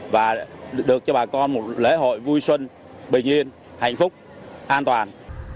và được cho bà con một lễ hội vui xuân bình yên hạnh phúc an toàn